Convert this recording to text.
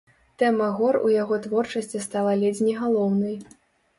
Тэма гор у яго творчасці стала ледзь не галоўнай.